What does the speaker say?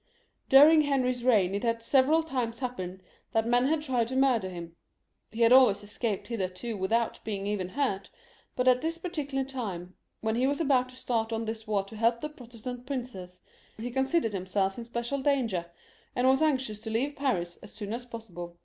During Henry's reign it had several times happened that men had tried to murder him. He had always escaped hitherto without being even hurt, but at this particular time, when he was about to start on this war to help the Protestant princes, he considered himself in special danger, and was anxious to leave Paris as soon as possible.